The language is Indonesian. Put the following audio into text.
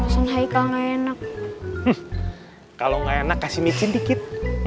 senyum enak kalau nggak enak kasih micin dikit